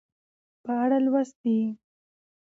په اړه لوستي